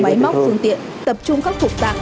bái móc phương tiện tập trung các thủ tạng